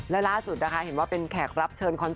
และล่าสุดนะคะเห็นว่าเป็นแขกรับเชิญคอนเสิร์